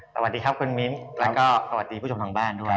สวัสดีครับคุณมิ้นแล้วก็สวัสดีผู้ชมทางบ้านด้วย